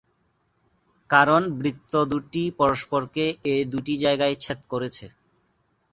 কারণ বৃত্ত দুটি পরস্পরকে এ দুটি জায়গায় ছেদ করেছে।